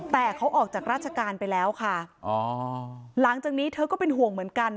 แต่เขาออกจากราชการไปแล้วค่ะอ๋อหลังจากนี้เธอก็เป็นห่วงเหมือนกัน